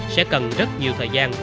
sẽ cần rất nhiều thời gian